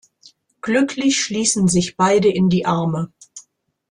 Glücklich schließen sich beide in die Arme.